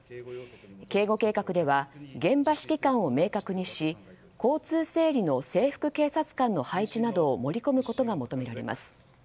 警護計画では現場指揮官を明確にし交通整理の制服警察官の配置などを盛り込むことが求められます。